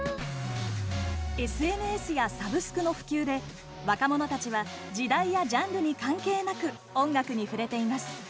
ＳＮＳやサブスクの普及で若者たちは時代やジャンルに関係なく音楽に触れています。